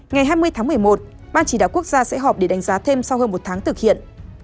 ngày hai mươi tháng một mươi một ban chỉ đạo quốc gia sẽ họp để đánh giá thêm sau hơn một tháng thực hiện